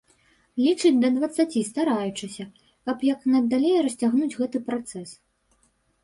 Лічыць да дваццаці, стараючыся, каб як надалей расцягнуць гэты працэс.